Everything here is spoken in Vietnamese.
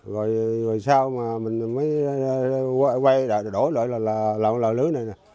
rồi sau mình mới quay đổi lợi là lợi lưỡi này nè